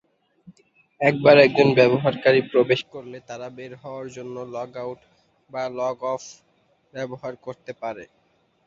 একবার একজন ব্যবহারকারী প্রবেশ করলে তারা বের হওয়ার জন্য লগ আউট বা লগ অফ ব্যবহার করতে পারে।